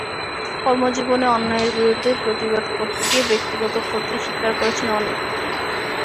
কর্মজীবনে অন্যায়ের বিরুদ্ধে প্রতিবাদ করতে গিয়ে ব্যক্তিগত ক্ষতি স্বীকার করেছেন অনেক।